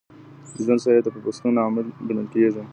د ژوند شرایط د پیوستون عامل ګڼل کیږي.